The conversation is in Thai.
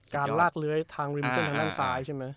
การลากเลื้อยทางริมเส้นทางด้านซ้ายใช่ไหม